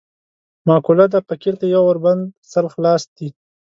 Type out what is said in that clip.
معقوله ده: فقیر ته یو ور بند، سل خلاص دي.